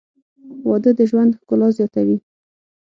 • واده د ژوند ښکلا زیاتوي.